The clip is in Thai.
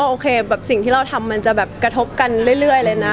โอเคแบบสิ่งที่เราทำมันจะแบบกระทบกันเรื่อยเลยนะ